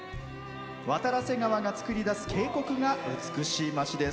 渡良瀬川が作り出す渓谷が美しい町です。